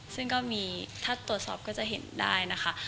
ซึ่งก็มีถ้าตรวจสอบก็จะเห็นได้นะคะ